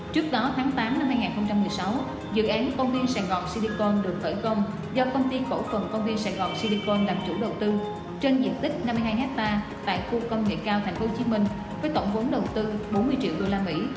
trước đó tháng tám năm hai nghìn một mươi sáu dự án công viên sài gòn silicon được khởi công do công ty cổ phần công viên sài gòn silicon làm chủ đầu tư trên diện tích năm mươi hai hectare tại khu công nghệ cao tp hcm với tổng vốn đầu tư bốn mươi triệu đô la mỹ